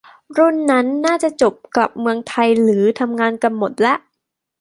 รุ่นนั้นน่าจะจบกลับเมืองไทยหรือทำงานกันหมดละ